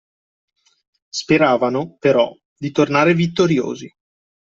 Speravano, però, di tornare vittoriosi.